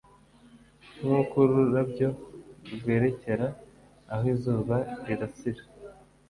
Nk'uko ururabyo rwerekera aho izuba rirasira